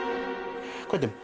こうやって。